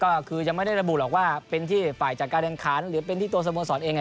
ก็คือยังไม่ได้ระบุหรอกว่าเป็นที่ฝ่ายจัดการแข่งขันหรือเป็นที่ตัวสโมสรเอง